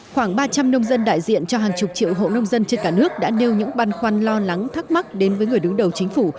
khoảng ba trăm linh nông dân đại diện cho hàng chục triệu hộ nông dân trên cả nước đã nêu những băn khoăn lo lắng thắc mắc đến với người đứng đầu chính phủ